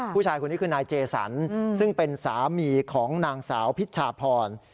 ผู้ชายคนนี้คือนายเจสันซึ่งเป็นสามีของนางสาวพิชชาพร